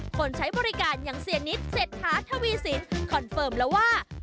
คนใช้บริการอย่างเสียนิดเศรษฐาทวีสินคอนเฟิร์มแล้วว่า